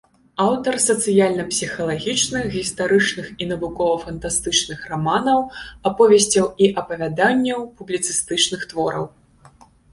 Аўтар сацыяльна-псіхалагічных, гістарычных і навукова-фантастычных раманаў, аповесцяў і апавяданняў, публіцыстычных твораў.